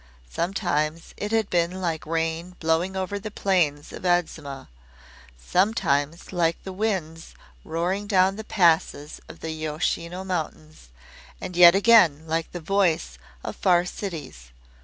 Sometimes it had been like rain blowing over the plains of Adzuma, sometimes like the winds roaring down the passes of the Yoshino Mountains, and yet again like the voice of far cities.